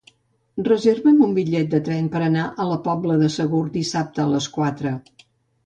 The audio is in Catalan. Reserva'm un bitllet de tren per anar a la Pobla de Segur dissabte a les quatre.